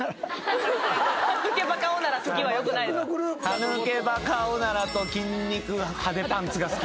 歯抜けバカおならと筋肉派手パンツが好き。